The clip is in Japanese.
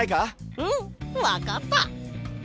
うんわかった！